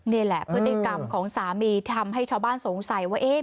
นี่แหละพฤติกรรมของสามีทำให้ชาวบ้านสงสัยว่า